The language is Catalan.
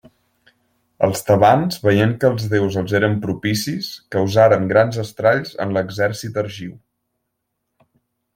Els tebans, veient que els déus els eren propicis, causaren grans estralls en l'exèrcit argiu.